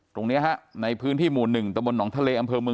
ตรงเนี้ยฮะในพื้นที่หมู่หนึ่งตะบนหนองทะเลอำเภอ